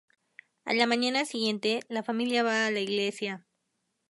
A la mañana siguiente, la familia va a la iglesia.